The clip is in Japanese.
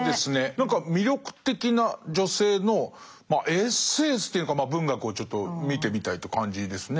何か魅力的な女性のエッセンスというのかまあ文学をちょっと見てみたいって感じですね。